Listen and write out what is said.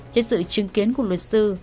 trên sự chứng kiến của luật sư